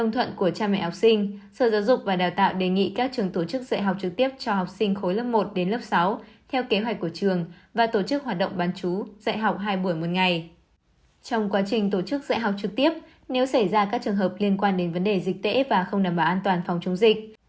trong quá trình tổ chức dạy học trực tiếp nếu xảy ra các trường hợp liên quan đến vấn đề dịch tễ và không đảm bảo an toàn phòng chống dịch